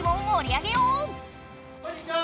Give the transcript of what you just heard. こんにちは！